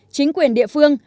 chính quyền địa phương